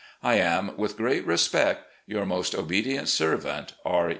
I am, with great respect, " Yoiar most obedient servant, "R.